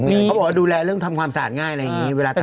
เขาบอกว่าดูแลเรื่องทำความสะอาดง่ายอะไรอย่างนี้